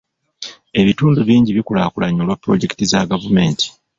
Ebitundu bingi bikulaakulanye olwa pulojekiti za gavumenti.